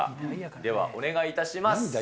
ではお願いいたします。